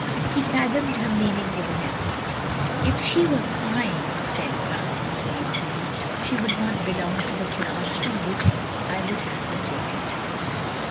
He fathomed her meaning with an effort. " If she were j^ne, " he said, rather disdainfully, "she wotdd not belong to the class from which I wotdd have her taken.